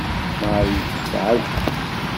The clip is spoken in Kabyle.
Marie tesɛa lḥeqq.